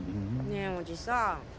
ねえおじさん。